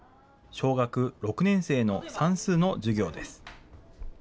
小学６年生の算数の授業です。